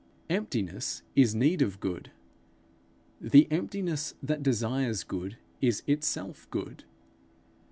Emptiness is need of good; the emptiness that desires good, is itself good.